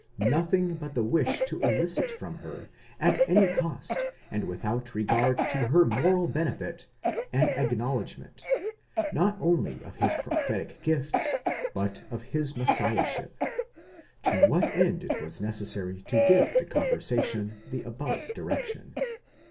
Nothing but the wish to elicit from her, at any cost, and without regard to her moral benefit, an acknowledgment, not only of his prophetic gifts, but of his Messiahship ; to which end it was necessary to give the con versation the above direction.